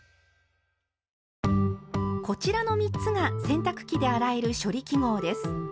こちらの３つが洗濯機で洗える「処理記号」です。